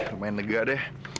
lumayan lega deh